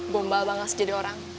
bombal banget jadi orang